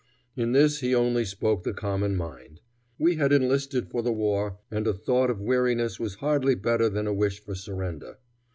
In this he only spoke the common mind. We had enlisted for the war, and a thought of weariness was hardly better than a wish for surrender.